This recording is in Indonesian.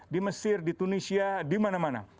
di mesir di tunisia di mana mana